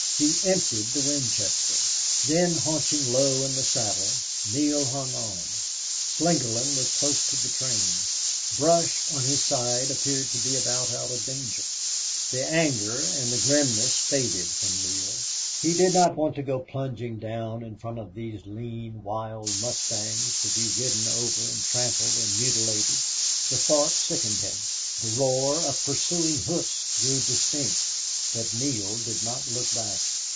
He emptied the Winchester. Then, hunching low in the saddle, Neale hung on. Slingerland was close to the train; Brush on his side appeared to be about out of danger; the pursuit had narrowed down to Neale and Larry. The anger and the grimness faded from Neale. He did not want to go plunging down in front of those lean wild mustangs, to be ridden over and trampled and mutilated. The thought sickened him. The roar of pursuing hoofs grew distinct, but Neale did not look back.